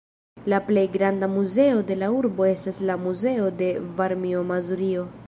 La plej granda muzeo de la urbo estas la "Muzeo de Varmio-Mazurio".